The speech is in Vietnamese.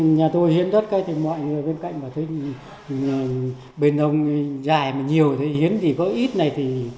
nhà tôi hiến đất mọi người bên cạnh bên ông dài mà nhiều hiến thì có ít này